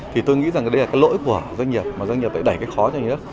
thì tôi nghĩ rằng đây là cái lỗi của doanh nghiệp mà doanh nghiệp lại đẩy cái khó cho nhà nước